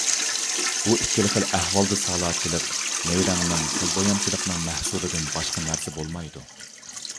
بۇ ئىككىلى خىل ئەھۋالدا سالاچىلىق نەيرەڭنىڭ، كۆز بويامچىلىقنىڭ مەھسۇلىدىن باشقا نەرسە بولمايدۇ.